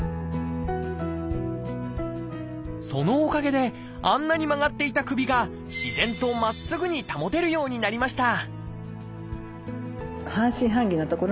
そのおかげであんなに曲がっていた首が自然とまっすぐに保てるようになりました